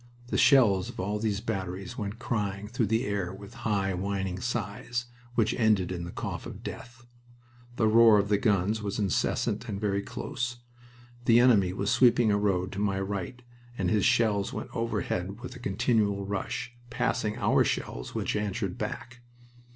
The shells of all these batteries went crying through the air with high, whining sighs, which ended in the cough of death. The roar of the guns was incessant and very close. The enemy was sweeping a road to my right, and his shells went overhead with a continual rush, passing our shells, which answered back.